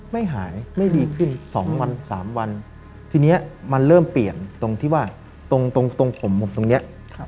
ไม่หายไม่ดีขึ้น๒วัน๓วันทีนี้มันเริ่มเปลี่ยนตรงที่ว่าตรงตรงผมผมตรงนี้